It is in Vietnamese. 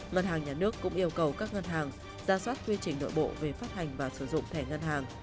ngân hàng nhà nước cũng yêu cầu các ngân hàng ra soát quy trình nội bộ về phát hành và sử dụng thẻ ngân hàng